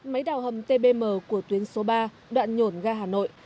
máy đào hầm tbm của tuyến số ba đoạn nhổn ga hà nội